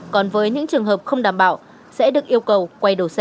còn với những trường hợp không đảm bảo sẽ được yêu cầu quay đầu xe